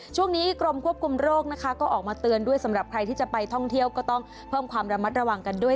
ช่วงนี้กรมควบคุมโรคนะคะก็ออกมาเตือนด้วยสำหรับใครที่จะไปท่องเที่ยวก็ต้องเพิ่มความระมัดระวังกันด้วย